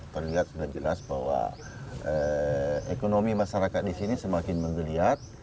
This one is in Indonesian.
terlihat sudah jelas bahwa ekonomi masyarakat di sini semakin menggeliat